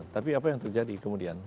tapi apa yang terjadi kemudian